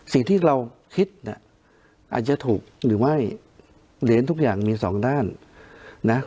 สิ่งที่เราคิดอาจจะถูกหรือไม่เดี๋ยวเองทุกอย่างมีสองด้าน